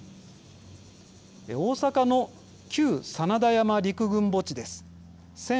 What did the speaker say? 大阪の「旧真田山陸軍墓地」です。